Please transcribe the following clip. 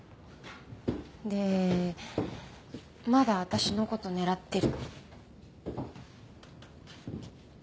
でまだ私の事狙ってる。